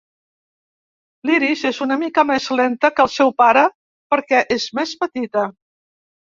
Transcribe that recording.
L'Iris és una mica més lenta que el seu pare perquè és més petita.